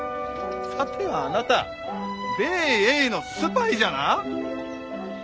さてはあなた米英のスパイじゃな！